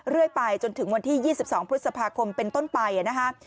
เรื่อยไปจนถึงวันที่๒๒พฤษภาคมเป็นต้นไปนะฮะ